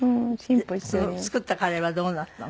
その作ったカレーはどうなったの？